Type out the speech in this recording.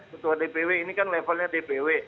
ketua dpw ini kan levelnya dpw